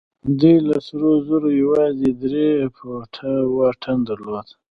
دوی له سرو زرو يوازې درې فوټه واټن درلود.